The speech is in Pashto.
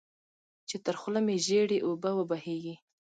چې تر خوله مې ژېړې اوبه وبهېږي.